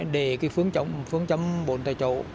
để cái phương chống phương chống bồn tại chỗ